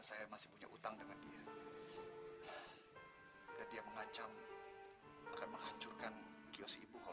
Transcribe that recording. sampai jumpa di video selanjutnya